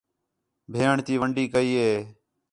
بھیݨ تی وَنڈی کئی ہے